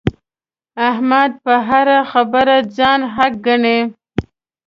احمد په هره خبره ځان حق ګڼي.